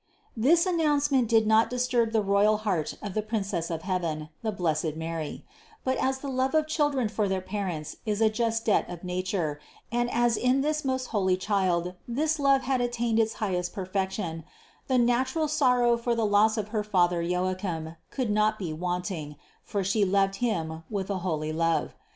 This announcement did not disturb the royal heart of the Princess of heaven, the blessed Mary ; but as the love of children for their parents is a just debt of nature, and as in this most holy Child this love had attained its highest perfection, the natural sor row for the loss of her father Joachim could not be want ing, for She loved him with a holy love.